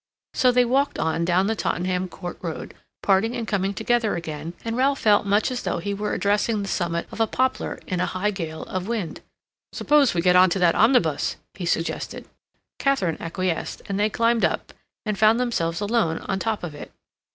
So they walked on down the Tottenham Court Road, parting and coming together again, and Ralph felt much as though he were addressing the summit of a poplar in a high gale of wind. "Suppose we get on to that omnibus?" he suggested. Katharine acquiesced, and they climbed up, and found themselves alone on top of it.